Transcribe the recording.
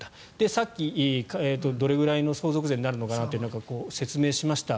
さっきどれぐらいの相続税になるのかなという説明しました。